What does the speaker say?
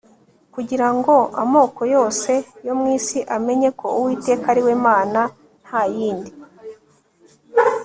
kugira ngo amoko yose yo mu isi amenye ko uwiteka ari we mana nta yindi